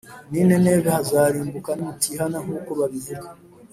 Nineve hazarimbuka nimutihana nkuko babivuga